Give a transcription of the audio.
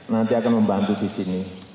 nanti akan membantu di sini